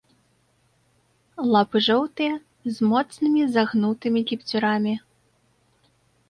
Лапы жоўтыя, з моцнымі загнутымі кіпцюрамі.